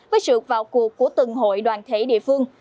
với sự vào cuộc của từng hội đoàn thể địa phương